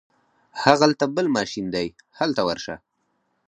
هغلته بل ماشین دی هلته ورشه.